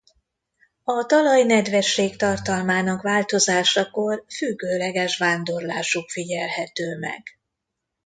A talaj nedvességtartalmának változásakor függőleges vándorlásuk figyelhető meg.